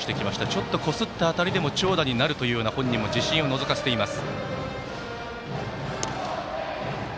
ちょっとこすった当たりでも長打になると本人も自信をのぞかせています。